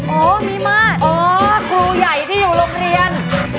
โอ้มีมาตรอ๋อครูใหญ่ที่อยู่โรงเรียน